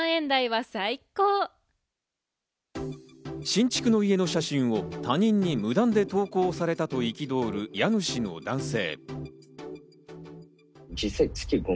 新築の家の写真を他人に無断で投稿されたと憤る家主の男性。